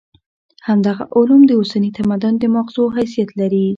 همدغه علوم د اوسني تمدن د ماغزو حیثیت لري.